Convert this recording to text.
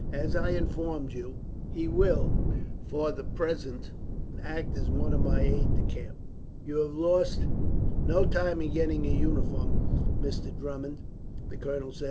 As I informed you, he will for the present act as one of my aides de camp." "You have lost no time in getting your uniform, Mr. Drummond," the colonel said.